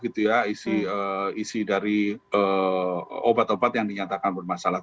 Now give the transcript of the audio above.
ini bisa mengubah isi dari obat obat yang dinyatakan bermasalah